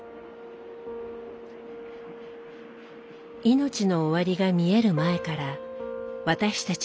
命の終わりが見える前から私たちにできることは。